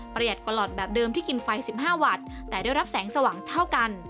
ประหยัดตลอดแบบเดิมที่กินไฟ๑๕วัตต์แต่ได้รับแสงสว่างเท่ากัน